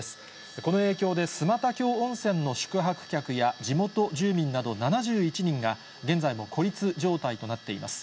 この影響で、寸又峡温泉の宿泊客や地元住民など７１人が、現在も孤立状態となっています。